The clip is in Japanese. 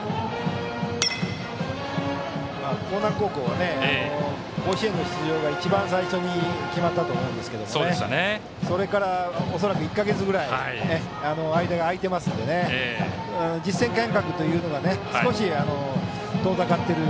興南高校は甲子園出場が一番最初に決まったと思うんですけどそれから恐らく１か月ぐらい間が空いていますので実戦感覚というのが少し遠ざかっている。